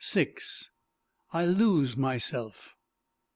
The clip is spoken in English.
I LOSE MYSELF.